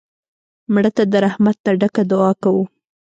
مړه ته د رحمت نه ډکه دعا کوو